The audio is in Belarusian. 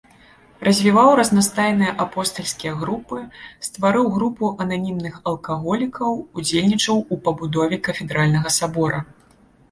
Развіваў разнастайныя апостальскія групы, стварыў групу ананімных алкаголікаў, удзельнічаў у пабудове кафедральнага сабора.